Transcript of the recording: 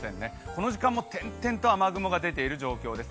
この時間も点々と雨雲が出ている状況です。